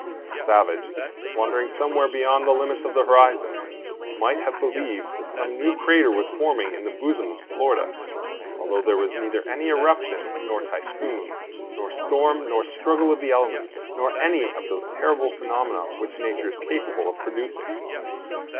A savage, wandering somewhere beyond the limits of the horizon, might have believed that some new crater was forming in the bosom of Florida, although there was neither any eruption, nor typhoon, nor storm, nor struggle of the elements, nor any of those terrible phenomena which nature is capable of producing.